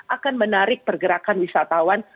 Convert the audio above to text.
akan menarik pergerakan wisatawan